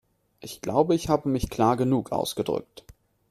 Ich glaube, ich habe mich klar genug ausgedrückt.